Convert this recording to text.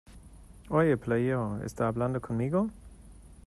¡ Oye, playero! ¿ esta hablando conmigo?